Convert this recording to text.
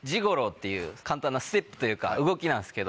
簡単なステップというか動きなんですけど。